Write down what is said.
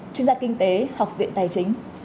chuyên gia kinh tế học viện tài chính